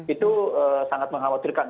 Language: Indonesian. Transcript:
itu sangat mengkhawatirkan